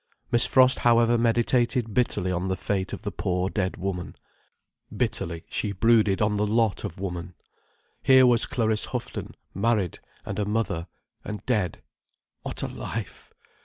Miss Frost however meditated bitterly on the fate of the poor dead woman. Bitterly she brooded on the lot of woman. Here was Clariss Houghton, married, and a mother—and dead. What a life!